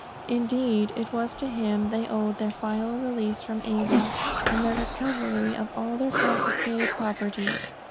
Indeed it was to him they owed their final release from Ava, and the recovery of all their confiscated property.